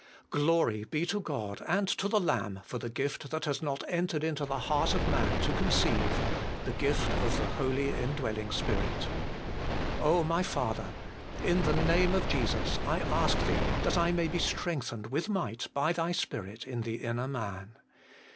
Glory be to God and to the Lamb for the gift that hath not entered into the heart of man to conceive the gift of the Holy indwelling Spirit. my Father ! in the name of Jesus I ask Thee that I may be strengthened with might by Thy Spirit in the inner man.